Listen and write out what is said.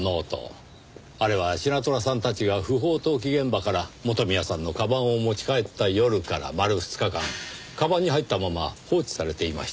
あれはシナトラさんたちが不法投棄現場から元宮さんの鞄を持ち帰った夜から丸２日間鞄に入ったまま放置されていました。